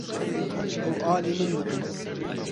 Ew alî min dikin.